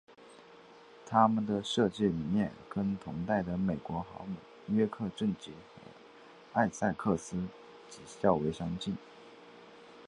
它们的设计理念跟同代的美国航母约克镇级和艾塞克斯级较为相近。